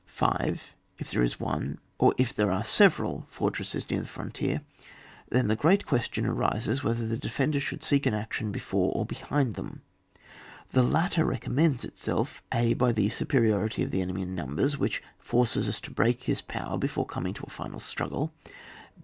5. If there is one or if there are seve I'al fortresses near the frontier, then the great question arises, whether the de fender should seek an action before or behind them. The latter recommends itself— a, by the superiority of the enemy in numbers, which forces us to break his power before coming to a final struggle.